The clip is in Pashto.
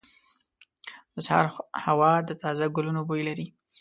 • د سهار هوا د تازه ګلونو بوی لري.